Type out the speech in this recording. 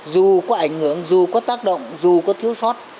dù có ảnh hưởng dù có tác động dù có thiếu sót